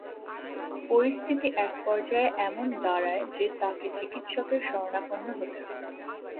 পরিস্থিতি একপর্যায়ে এমন দাঁড়ায় যে তাঁকে চিকিৎসকের শরণাপন্ন হতে হয়।